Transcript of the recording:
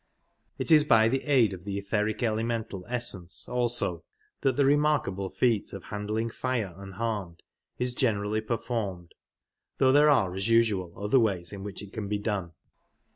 It is by the aid of the etheric elemental essence also that the remarkable feat of handling fire unharmed is generally performed, though there are as Firel"^ usual other ways in which it can be done.